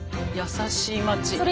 優しい町。